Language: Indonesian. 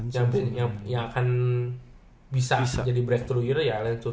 yang akan bisa jadi breakthrough year ya lansun